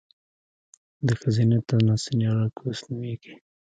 د ښځينه تناسلي اله، کوس نوميږي